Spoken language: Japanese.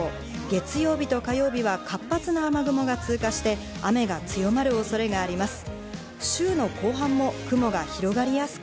月曜日と火曜日は活発な雨雲が通過して、雨が強まる恐れがあります。